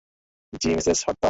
জ্বি, Mrs Horton?